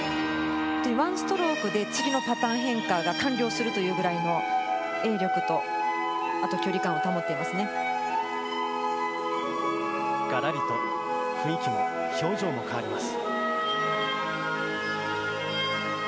ワンストロークで次のパターン変化が完了するというぐらいの距離感を保ってガラリと雰囲気も表情も変わります。